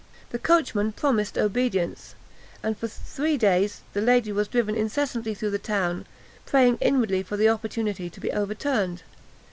The coachman promised obedience, and for three days the lady was driven incessantly through the town, praying inwardly for the opportunity to be overturned.